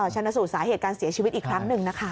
ชนะสูตรสาเหตุการเสียชีวิตอีกครั้งหนึ่งนะคะ